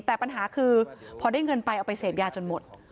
แต่ปัญหาคือพอได้เงินไปเอาไปเสพยาจนหมด